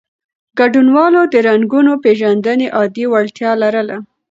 ګډونوالو د رنګونو پېژندنې عادي وړتیا لرله.